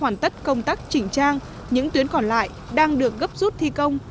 hoàn tất công tác chỉnh trang những tuyến còn lại đang được gấp rút thi công